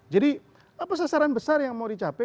apa sasaran besar yang mau dicapai